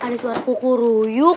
ada suara kuku ruyuk